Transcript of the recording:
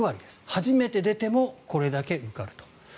初めて出てもこれだけ受かると。